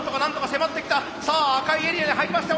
さあ赤いエリアに入りました！